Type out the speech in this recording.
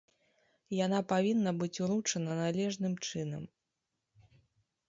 Яна павінна быць уручана належным чынам.